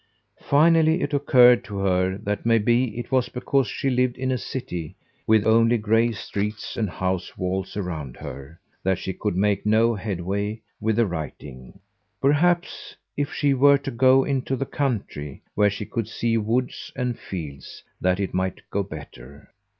Finally, it occurred to her that maybe it was because she lived in a city, with only gray streets and house walls around her, that she could make no headway with the writing. Perhaps if she were to go into the country, where she could see woods and fields, that it might go better.